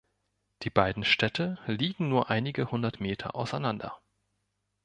Die beiden Städte liegen nur einige hundert Meter auseinander.